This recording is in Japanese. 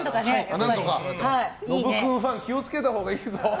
のぶ君ファン気をつけたほうがいいですよ。